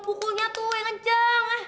pukulnya tuh yang ngejeng